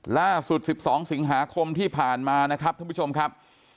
ล่าสุด๑๒สิงหาคมที่ผ่านมานะครับท่านผู้ชมครับ